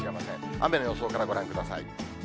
雨の予想からご覧ください。